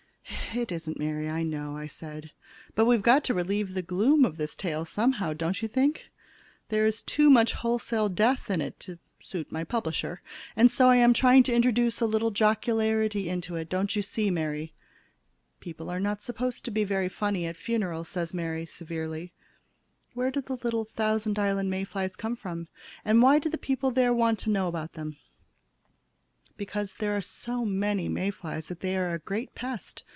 "It isn't, Mary, I know," said I. "But we've got to relieve the gloom of this tale someway, don't you think? There is too much wholesale death in it to suit my publisher! And so I am trying to introduce a little jocularity into it, don't you see, Mary?" "People are not supposed to be very funny at funerals," said Mary, severely. "Where did the little Thousand Islands May flies come from, and why do the people there want to know about them?" "Because there are so many May flies that they are a great pest.